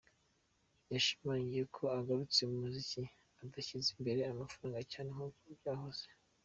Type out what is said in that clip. Yashimangiye ko agarutse mu muziki adashyize imbere amafaranga cyane nk’uko byahoze.